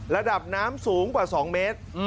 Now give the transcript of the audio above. ระดับน้ำสูงกว่า๒เมตร